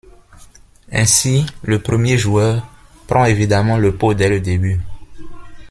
Ainsi, le premier joueur prend évidemment le pot dès le début.